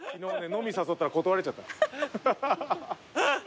飲み誘ったら断られちゃった。